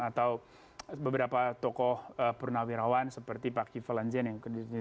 atau beberapa tokoh purnawirawan seperti pak kifalanjen yang ditahan kemudian